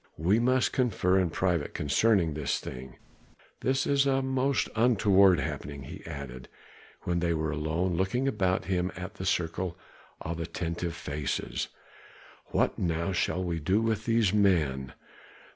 "We must confer in private concerning this thing. This is a most untoward happening," he added, when they were alone, looking about him at the circle of attentive faces. "What now shall we do with these men?"